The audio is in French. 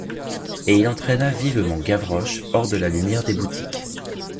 Et il entraîna vivement Gavroche hors de la lumière des boutiques.